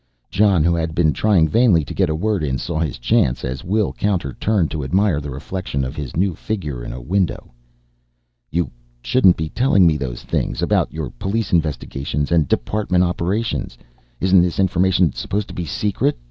Jon, who had been trying vainly to get in a word, saw his chance as Wil Counter turned to admire the reflection of his new figure in a window. "You shouldn't be telling me those things about your police investigations and department operations. Isn't this information supposed to be secret?